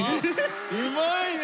うまいね！